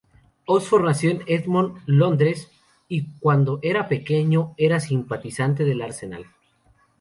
Oxford nació en Edmonton, Londres, y cuando era pequeño era simpatizante del Arsenal.